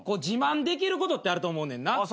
自慢できることってあると思うねんな。